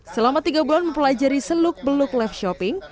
selama tiga bulan mempelajari seluk beluk live shopping